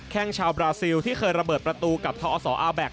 แค่งชาวบราซิลที่เคยระเบิดประตูกับทอศอาแบ็ค